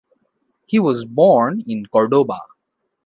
He was born in Cordoba.